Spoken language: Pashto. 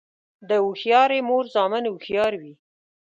د هوښیارې مور زامن هوښیار وي.